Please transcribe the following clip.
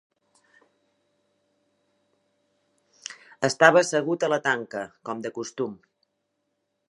Estava assegut a la tanca, com de costum.